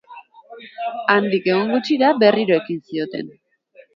Handik egun gutxira, berriro ekin zioten.